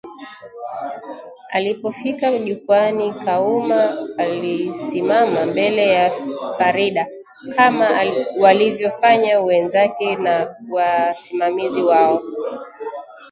Alipofika jukwaani, Kauma alisimama mbele ya Farida kama walivyofanya wenzake na wasimamizi wao